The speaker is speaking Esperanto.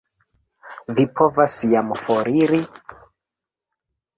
Vi volas jam foriri?